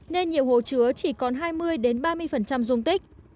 nên nhiều hồ chứa chỉ còn hai mươi ba mươi dung tích